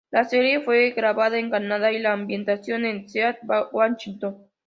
La serie fue grabada en Canadá y la ambientación en Seattle, Washington.